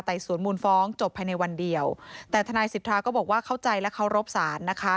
สวนมูลฟ้องจบภายในวันเดียวแต่ทนายสิทธาก็บอกว่าเข้าใจและเคารพศาลนะคะ